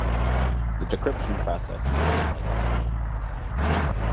The decryption process is analogous.